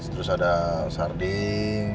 terus ada sarding